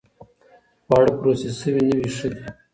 خواړه پروسس شوي نه وي، ښه دي.